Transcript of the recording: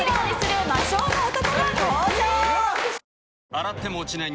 洗っても落ちない